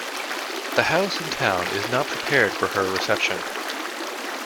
The house in town is not prepared for her reception.